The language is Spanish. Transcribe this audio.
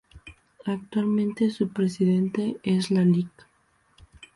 Actualmente su presidente es la Lic.